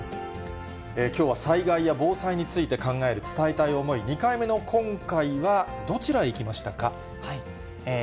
きょうは災害や防災について考える伝えたい思い、２回目の今回は、どちらへ行きましたか。